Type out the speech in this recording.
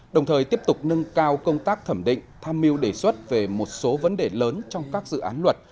đồng thời tiếp tục nâng cao công tác thẩm định tham mưu đề xuất về một số vấn đề lớn trong các dự án luật